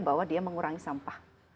bahwa dia mengurangi sampah